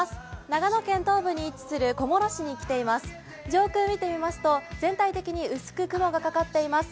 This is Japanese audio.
長野県東部に位置する、小諸市に来ています。